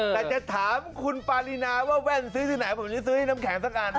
แต่จะถามคุณปารีนาว่าแว่นซื้อที่ไหนผมจะซื้อให้น้ำแข็งสักอัน